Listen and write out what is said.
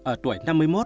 ở tuổi năm mươi một